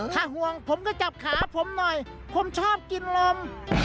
ถ้าห่วงผมก็จับขาผมหน่อยผมชอบกินลม